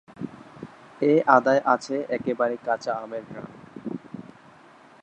এ আদায় আছে একেবারে কাঁচা আমের ঘ্রাণ।